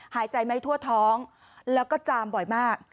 หายใจไม่ทั่วท้องแล้วก็จามบ่อยมาก